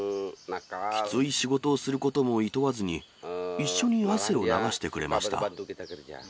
きつい仕事をすることもいとわずに、一緒に汗を流してくれました。